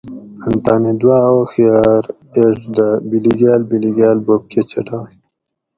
ان تانی دوآ ھوخیار ایڄ دہ بِلیگال بِلیگال بوب کہ چٹائے